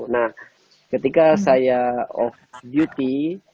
nah ketika saya off beauty